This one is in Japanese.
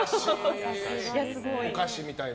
お菓子みたいな？